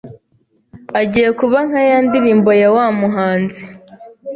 Agiye kuba nka ya ndirimbo yaw a muhanzi